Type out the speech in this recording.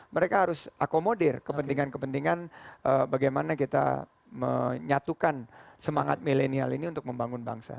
mereka harus akomodir kepentingan kepentingan bagaimana kita menyatukan semangat milenial ini untuk membangun bangsa